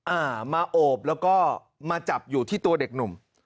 อ่ามาโอบแล้วก็มาจับอยู่ที่ตัวเด็กหนุ่ม